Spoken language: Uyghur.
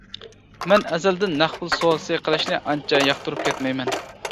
مەن ئەزەلدىن نەق پۇل سودىسى قىلىشنى ئانچە ياقتۇرۇپ كەتمەيمەن.